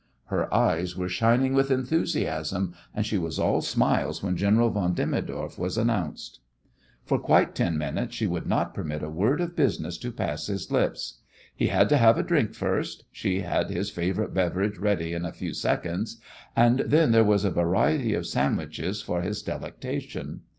Her eyes were shining with enthusiasm, and she was all smiles when General von Demidoff was announced. For quite ten minutes she would not permit a word of business to pass his lips. He had to have a drink first she had his favourite beverage ready in a few seconds and then there was a variety of sandwiches for his delectation.